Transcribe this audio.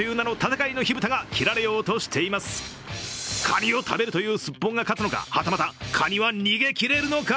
カニを食べるというスッポンが勝つのか、はたまたカニは逃げきれるのか。